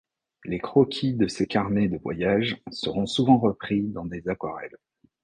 Les croquis de ses carnets de voyages seront souvent repris dans des aquarelles.